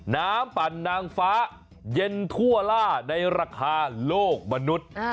ปั่นนางฟ้าเย็นทั่วล่าในราคาโลกมนุษย์